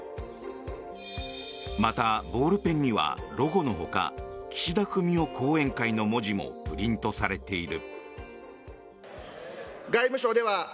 また、ボールペンにはロゴのほか「岸田文雄後援会」の文字もプリントされている。